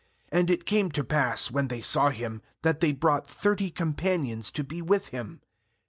uAnd it came to pass, when they saw him, that they brought thirty companions to be with him.